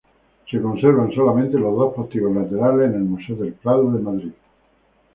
Se conservan solamente los dos postigos laterales en el Museo del Prado de Madrid.